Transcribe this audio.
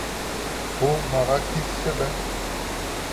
Пу мағаа килісче бе?